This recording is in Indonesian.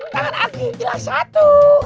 tangan aku hilang satu